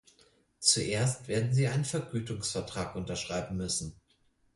Zuerst werden Sie einen Vergütungsvertrag unterschreiben müssen.